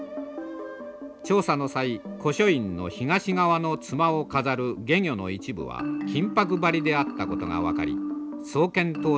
調査の際古書院の東側の妻を飾る懸魚の一部は金箔貼りであったことが分かり創建当時のままに復元されました。